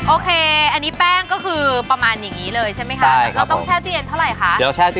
โอเคอันนี้แป้งก็คือประมาณอย่างนี้เลยใช่ไหมคะ